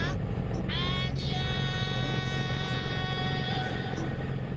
アディオス！